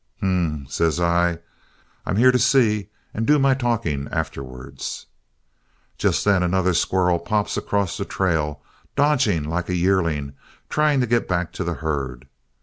"'Huh,' says I, 'I'm here to see and do my talking afterwards.' "Just then another squirrel pops across the trail dodging like a yearling trying to get back to the herd.